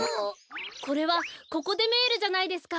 これはココ・デ・メールじゃないですか。